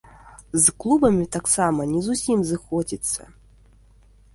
З клубамі таксама не зусім сыходзіцца.